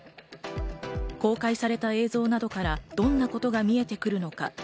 公開された映像などから、どんなことが見えてくるのか。